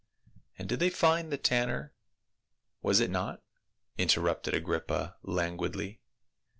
"And did they find the — the tanner, was it not?" interrupted Agrippa languidly.